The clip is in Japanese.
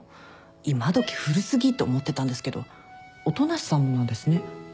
今どき古過ぎと思ってたんですけど音無さんもなんですね。